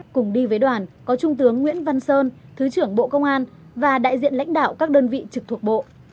cùng đi với đoàn có trung tướng nguyễn văn sơn thứ trưởng bộ công an và đại diện lãnh đạo các đơn vị trực thuộc bộ